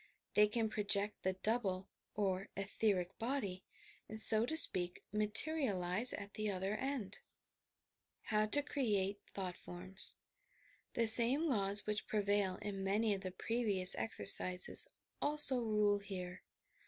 They can project the "double" or "etheric body" and, so to speak, materialize it at the other end! YOUR PSYCHIC POWERS HOW TO CREATE THOUQHT POBMS 4 The same laws which prevail in many of the previous exercises also rule here.